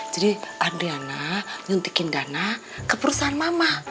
jadi adriana nyuntikin dana ke perusahaan mama